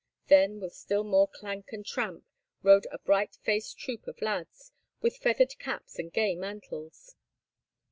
Then, with still more of clank and tramp, rode a bright faced troop of lads, with feathered caps and gay mantles.